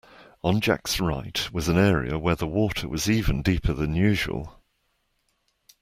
On Jack’s right was an area where the water was even deeper than usual